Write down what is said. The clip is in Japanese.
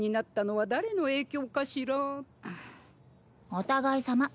お互いさま。